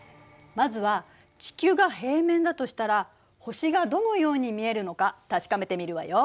まずは地球が平面だとしたら星がどのように見えるのか確かめてみるわよ。